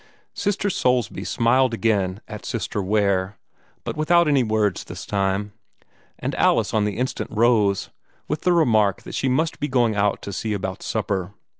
Sister Soulsby smiled again at Sister Ware, but without any words this time; and Alice on the instant rose, with the remark that she must be going out to see about supper.